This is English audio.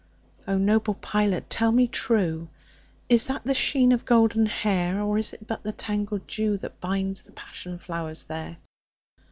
O noble pilot tell me trueIs that the sheen of golden hair? Or is it but the tangled dewThat binds the passion flowers there?